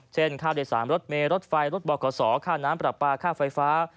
เช่นค่าโดยสารรถเมล์รถไฟรถบอกกระสอร์ค่าน้ำปรับปลาค่าไฟฟ้า